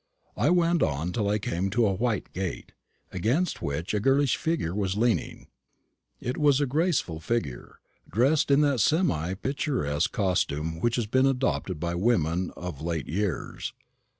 I went on till I came to a white gate, against which a girlish figure was leaning. It was a graceful figure, dressed in that semi picturesque costume which has been adopted by women of late years.